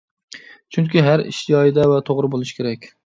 چۈنكى ھەر ئىش جايىدا ۋە توغرا بولۇشى كېرەك.